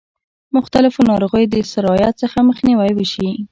مختلفو ناروغیو د سرایت څخه مخنیوی وشي.